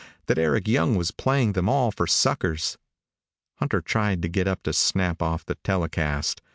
that Eric Young was playing them all for suckers? Hunter tried to get up to snap off the telecast.